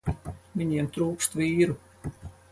Viņiem trūkst vīru.